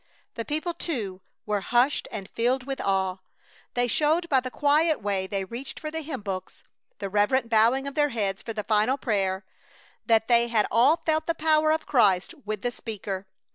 The people, too, were hushed and filled with awe. They showed by the quiet way they reached for the hymn books, the reverent bowing of their heads for the final prayer, that they had all felt the power of Christ with the speaker.